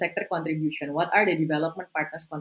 apa kontribusi partner pembangunan